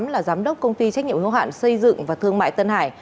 là giám đốc công ty trách nhiệm hiếu hạn xây dựng và thương mại tân hải